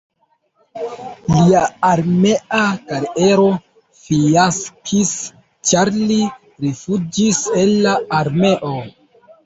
Lia armea kariero fiaskis, ĉar li rifuĝis el la armeo.